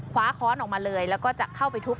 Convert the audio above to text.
ค้อนออกมาเลยแล้วก็จะเข้าไปทุบ